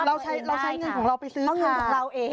เราใช้เงินของเราไปซื้อค่ะ